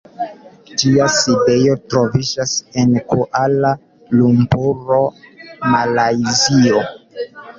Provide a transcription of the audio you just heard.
Ĝia sidejo troviĝas en Kuala-Lumpuro, Malajzio.